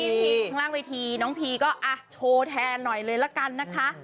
พีข้างล่างเวทีน้องพีก็โชว์แทนหน่อยเลยละกันนะคะ